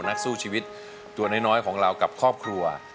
นักสู้ชีวิตตัวน้อยของเรากับครอบครัว